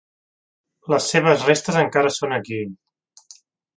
Les seves restes encara són aquí.